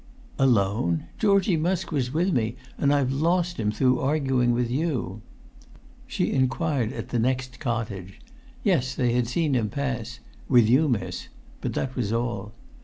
"Alone? Georgie Musk was with me; and I've lost him through arguing with you." She inquired at the next cottage. Yes, they had seen him pass "with you, miss," but that was all.